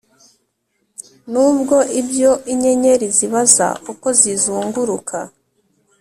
nubwo ibyo inyenyeri zibaza uko zizunguruka